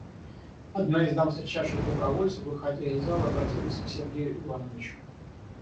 Одна из дам, встречавших добровольцев, выходя из залы, обратилась к Сергею Ивановичу.